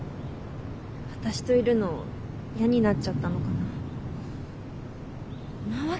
私といるの嫌になっちゃったのかな。